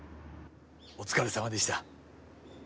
お疲れさまでした。